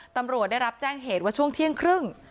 ตำรวจได้รับแจ้งเหตุว่าช่วงเที่ยงครึ่ง